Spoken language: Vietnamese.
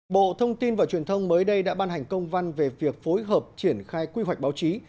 bộ thông tin và truyền thông mới đây đã ban hành công văn về việc phối hợp triển khai quy hoạch báo chí